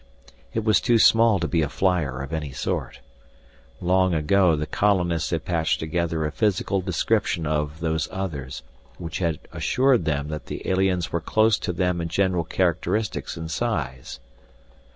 It was too small to be a flyer of any sort. Long ago the colonists had patched together a physical description of Those Others which had assured them that the aliens were close to them in general characteristics and size.